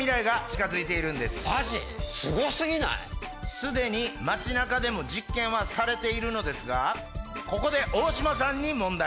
すでに街中でも実験はされているのですがここでオオシマさんに問題！